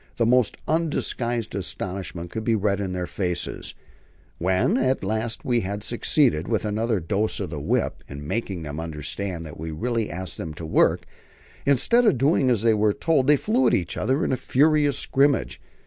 The most undisguised astonishment could be read in their faces. When at last we had succeeded, with another dose of the whip, in making them understand that we really asked them to work, instead of doing as they were told they flew at each other in a furious scrimmage.